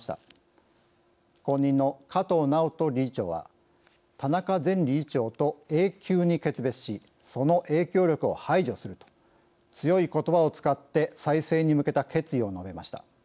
後任の加藤直人理事長は「田中前理事長と永久に決別しその影響力を排除する」と強いことばを使って再生に向けた決意を述べました。